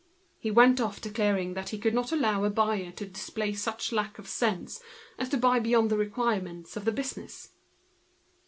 He went off, declaring that he could not allow a buyer to display such a want of sense as to buy beyond the requirements of the business.